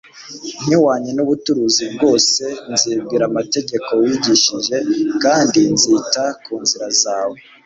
nyihwanye n'ubuturuzi bwose. Nzibwira amategeko wigishije, kandi nzita ku nzira zawe.